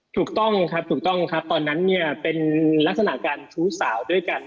ถูกต้องครับตอนนั้นเนี่ยเป็นลักษณะการชู้สาวด้วยกัน